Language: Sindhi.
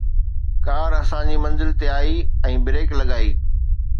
ڪار اسان جي منزل تي آئي ۽ بريڪ لڳائي